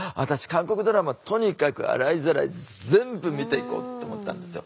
韓国ドラマとにかく洗いざらい全部見ていこう」って思ったんですよ。